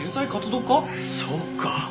そうか。